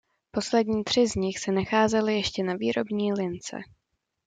Poslední tři z nich se nacházely ještě na výrobní lince.